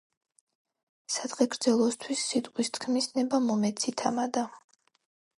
სადღეგრძელოსთვის სიტყვის თქმის ნება მომეცი, თამადა